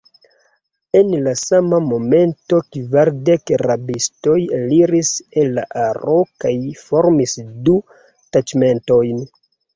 En la sama momento kvardek rabistoj eliris el la aro kaj formis du taĉmentojn.